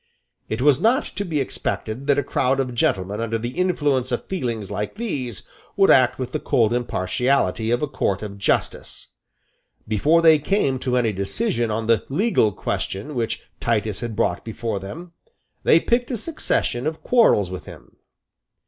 It was not to be expected that a crowd of gentlemen under the influence of feelings like these would act with the cold impartiality of a court of justice. Before they came to any decision on the legal question which Titus had brought before them, they picked a succession of quarrels with him.